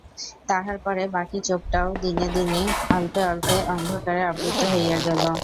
তাহার পরে বাকি চোখটাও দিনে দিনে অল্পে অল্পে অন্ধকারে আবৃত হইয়া গেল।